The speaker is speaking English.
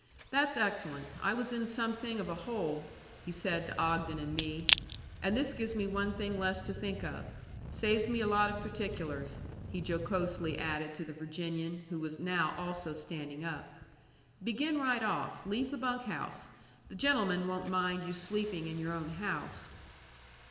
"That's excellent. I was in some thing of a hole," he said to Ogden and me; "and this gives me one thing less to think of. Saves me a lot of particulars," he jocosely added to the Virginian, who was now also standing up. "Begin right off. Leave the bunk house. The gentlemen won't mind your sleeping in your own house."